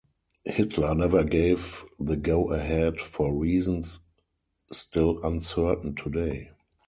Hitler never gave the go-ahead, for reasons still uncertain today.